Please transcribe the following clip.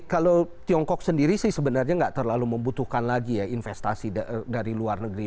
kalau tiongkok sendiri sih sebenarnya nggak terlalu membutuhkan lagi ya investasi dari luar negeri